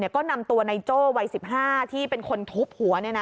ก็นำตัวนายโจ้วัย๑๕ที่เป็นคนทุบหัว